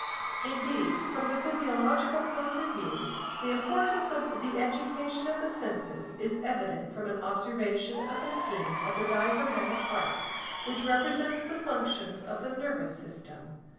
Indeed from the physiological point of view, the importance of the education of the senses is evident from an observation of the scheme of the diagrammatic arc which represents the functions of the nervous system.